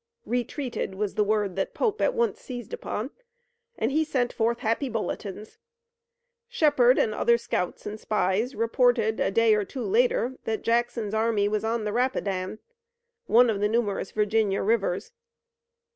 "Retreated" was the word that Pope at once seized upon, and he sent forth happy bulletins. Shepard and other scouts and spies reported a day or two later that Jackson's army was on the Rapidan, one of the numerous Virginia rivers.